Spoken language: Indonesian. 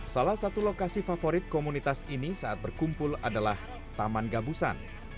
salah satu lokasi favorit komunitas ini saat berkumpul adalah taman gabusan